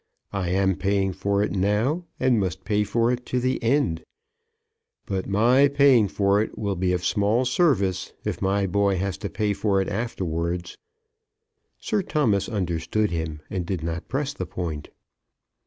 I am paying for it now, and must pay for it to the end. But my paying for it will be of small service if my boy has to pay for it afterwards." Sir Thomas understood him and did not press the point.